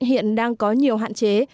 hiện đang có nhiều hạn chế